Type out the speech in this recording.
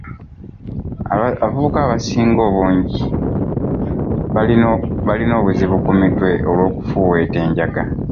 Abavubuka abasinga obungi balina obuzibu ku mitwe olw'okufuuweeta enjaga.